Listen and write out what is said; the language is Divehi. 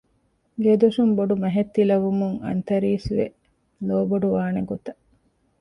ގޭދޮށުން ބޮޑުމަހެއް ތިލަވުމުން އަންތަރީސްވެ ލޯބޮޑުވާނޭ ގޮތަށް